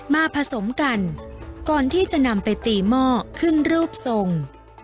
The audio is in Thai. ผสมกันก่อนที่จะนำไปตีหม้อขึ้นรูปทรง